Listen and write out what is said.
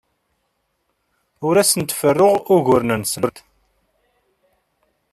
Ur asent-ferruɣ uguren-nsent.